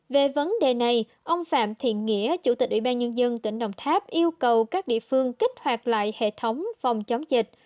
về vấn đề này ông phạm thiện nghĩa chủ tịch ủy ban nhân dân tỉnh đồng tháp yêu cầu các địa phương kích hoạt lại hệ thống phòng chống dịch